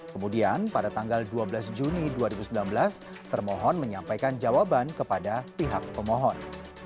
kemudian pada tanggal dua belas juni dua ribu sembilan belas termohon menyampaikan jawaban kepada pihak pemohon